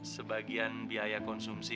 sebagian biaya konsumsi